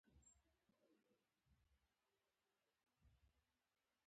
ډیرو شاعرانو د خپلواکۍ په اړه شعرونه ویلي دي.